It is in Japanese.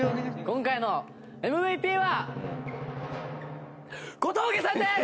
今回のＭＶＰは小峠さんです！